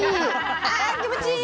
ああ気持ちいい！